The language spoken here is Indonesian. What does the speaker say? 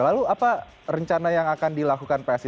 lalu apa rencana yang akan dilakukan psi